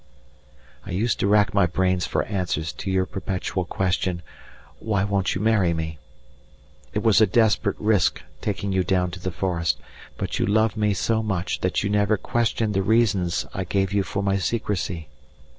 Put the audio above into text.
I used to rack my brains for answers to your perpetual question, "Why won't you marry me?" It was a desperate risk taking you down to the forest, but you loved me so much that you never questioned the reasons I gave you for my secrecy.